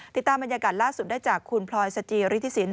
ติดตามบรรยากาศล่าสุดได้จากคุณพลอยสจิริธิสิน